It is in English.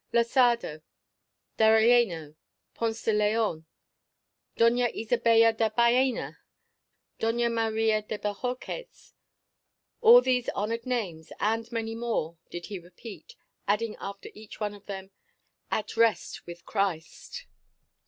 Losada, D'Arellano, Ponce de Leon, Doña Isabella de Baena, Doña Maria de Bohorques, all these honoured names, and many more, did he repeat, adding after each one of them, "At rest with Christ."